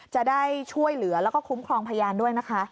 จะได้ช่วยเหลือแล้วก็คุ้มครองพยานด้วยนะคะ